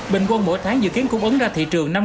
bình quân mỗi tháng dự kiến cung ứng ra thị trường